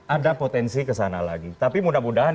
ada potensi kesana lagi tapi mudah mudahan